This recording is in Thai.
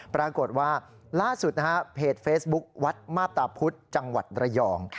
ปรากฏว่าล่าสุดนะฮะเพจเฟซบุ๊ควัดมาบตาพุธจังหวัดระยอง